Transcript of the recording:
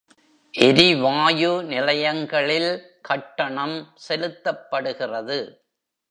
எரிவாயு நிலையங்களில் கட்டணம் செலுத்தப்படுகிறது.